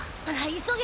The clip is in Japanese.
急げ！